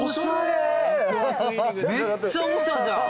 めっちゃオシャじゃん。